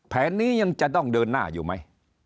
แผนนี้ยังจะต้องเดินหน้าอยู่ไหม